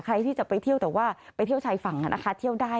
ใครที่จะไปเที่ยวแต่ว่าไปเที่ยวชายฝั่งนะคะเที่ยวได้